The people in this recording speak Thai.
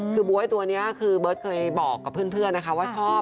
คือบ๊วยตัวนี้คือเบิร์ตเคยบอกกับเพื่อนนะคะว่าชอบ